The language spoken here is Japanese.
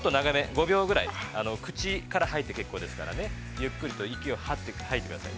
５秒ぐらい口から吐いて結構ですから、ゆっくりと息を吐いてください。